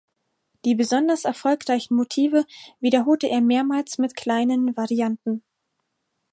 Die besonders erfolgreichen Motive wiederholte er mehrmals mit kleinen Varianten.